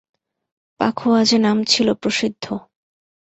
পাখোয়াজে নাম ছিল প্রসিদ্ধ।